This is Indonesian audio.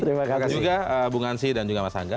terima kasih juga bung ansi dan juga mas angga